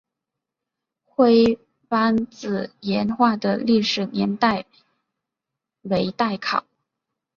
灰湾子岩画的历史年代为待考。